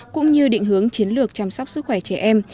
cũng như định hướng chiến lược chăm sóc sức khỏe trẻ em